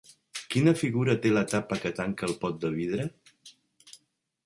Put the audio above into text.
Quina figura té la tapa que tanca el pot de vidre?